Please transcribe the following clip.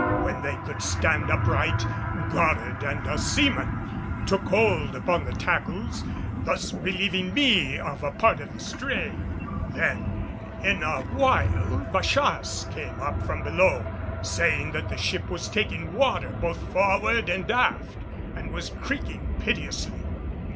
When they could stand upright, Goddard and a seaman took hold upon the tackles, thus relieving me of a part of the strain. Then, in a while, Bachasse came up from below, saying that the ship was taking water both forward and aft and was creaking piteously.